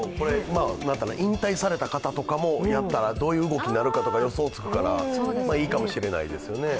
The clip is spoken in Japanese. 引退された方とかもやったらどういう動きになるかとか予想がつくから、いいかもしれないですよね。